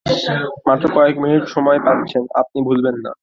মাত্র কয়েক মিনিট সময় পাচ্ছেন আপনি, ভুলবেন না।